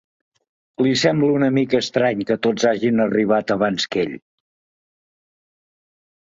Li sembla una mica estrany que tots hagin arribat abans que ell.